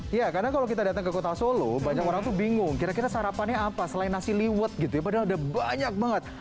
iya karena kalau kita datang ke kota solo banyak orang tuh bingung kira kira sarapannya apa selain nasi liwet gitu ya padahal udah banyak banget